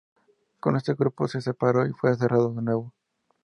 Cuando ese grupo se separó, fue cerrado de nuevo.